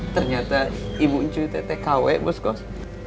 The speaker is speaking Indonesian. ternyata ibu cuy itu kawet bos kos